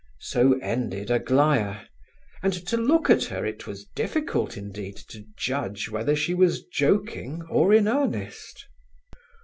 So ended Aglaya; and, to look at her, it was difficult, indeed, to judge whether she was joking or in earnest.